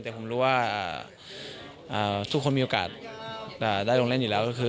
แต่ผมรู้ว่าทุกคนมีโอกาสได้ลงเล่นอยู่แล้วก็คือ